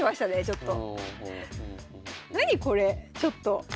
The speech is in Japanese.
ちょっと！